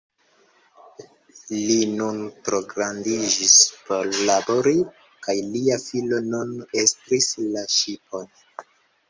Li nun trograndaĝis por labori, kaj lia filo nun estris la ŝipon.